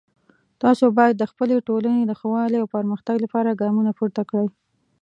تاسو باید د خپلې ټولنې د ښه والی او پرمختګ لپاره ګامونه پورته کړئ